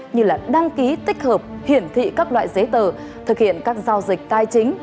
như là đăng ký tích hợp hiển thị các loại giấy tờ thực hiện các giao dịch tài chính